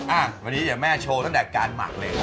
อ่ะวันนี้เดี๋ยวแม่โชว์ตั้งแต่การหมักเลย